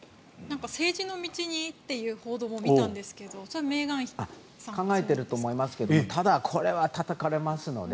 政治の道にという報道も見たんですが考えていると思いますがただ、これはたたかれますので。